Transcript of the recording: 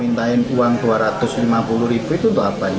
mintain uang dua ratus lima puluh ribu itu untuk apa